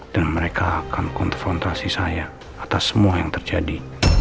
dan mereka akan konfrontasi saya atas semua yang terjadi